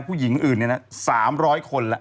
ผู้หญิงอื่นเนี่ยนะ๓๐๐คนแล้ว